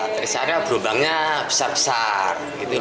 peristiwa ini berubah besar besar